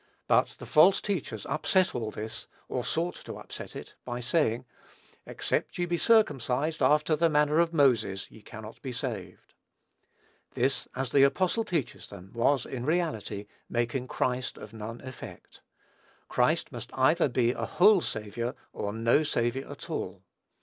But the false teachers upset all this, or sought to upset it, by saying, "Except ye be circumcised after the manner of Moses, ye cannot be saved." This, as the apostle teaches them, was in reality "making Christ of none effect." Christ must either be a whole Saviour, or no Saviour at all.